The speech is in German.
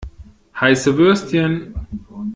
Heiße Würstchen!